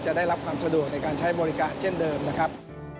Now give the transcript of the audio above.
ได้รับความสะดวกในการใช้บริการเช่นเดิมนะครับ